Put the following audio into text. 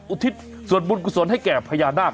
อุทิศสวรรค์บุญกษวนให้แก่พญานาค